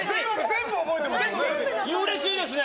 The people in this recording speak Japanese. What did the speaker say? うれしいですね。